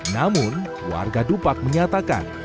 namun warga dupak menyatakan